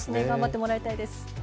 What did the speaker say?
頑張ってもらいたいです。